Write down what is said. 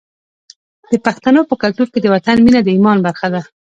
د پښتنو په کلتور کې د وطن مینه د ایمان برخه ده.